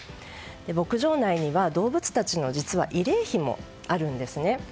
牧場内には動物たちの慰霊碑もあるんですね。